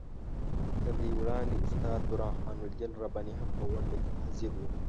تر دې وړاندې استاد برهان الدین رباني هم په غونډه کې حاضر وو.